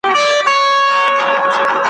زوړ پیمان تازه کومه یارانې چي هېر مي نه کې `